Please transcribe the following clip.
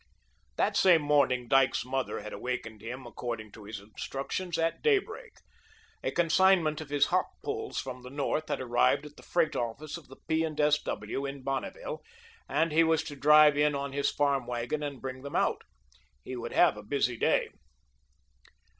That same morning Dyke's mother had awakened him according to his instructions at daybreak. A consignment of his hop poles from the north had arrived at the freight office of the P. and S. W. in Bonneville, and he was to drive in on his farm wagon and bring them out. He would have a busy day.